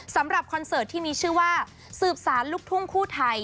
คอนเสิร์ตที่มีชื่อว่าสืบสารลูกทุ่งคู่ไทย